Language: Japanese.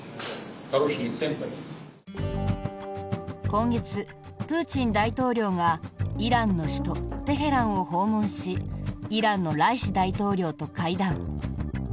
今月、プーチン大統領がイランの首都テヘランを訪問しイランのライシ大統領と会談。